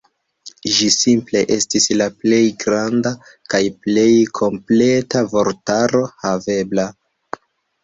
Ĝi simple estis la plej granda kaj plej kompleta vortaro havebla.